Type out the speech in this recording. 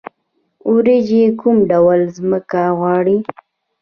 وریجې کوم ډول ځمکه غواړي؟